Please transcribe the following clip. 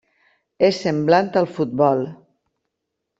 És semblant al futbol.